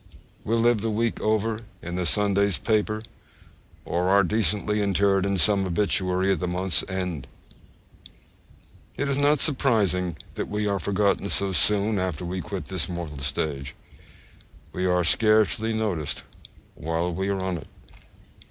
We live the week over in the Sunday's paper, or are decently interred in some obituary at the month's end! It is not surprising that we are forgotten so soon after we quit this mortal stage; we are scarcely noticed while we are on it.